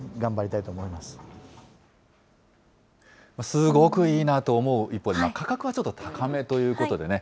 すごくいいなと思う一方で、価格はちょっと高めということでね。